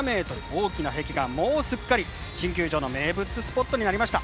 大きな壁画はもう、すっかり新球場の名物スポットになりました。